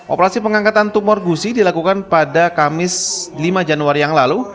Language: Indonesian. operasi pengangkatan tumor gusi dilakukan pada kamis lima januari yang lalu